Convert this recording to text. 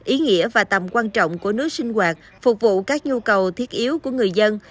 ý nghĩa và tầm quan trọng của nước sinh hoạt phục vụ các nhu cầu thiết yếu của người dân